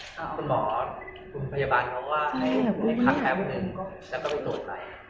คุณหมอคุณพยาบาลเขาว่าในครั้งแค่๑แล้วก็ไปตรวจไป